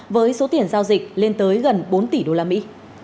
với số tiền giao dịch lên tới gần bốn tỷ đô la mỹ